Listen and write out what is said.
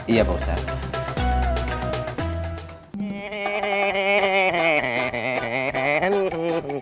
iya pak ustadz